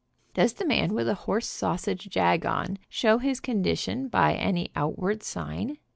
Does the man with a horse sausage jag on show his con dition by any outward sign?